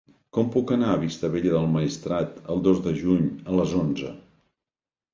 Com puc anar a Vistabella del Maestrat el dos de juny a les onze?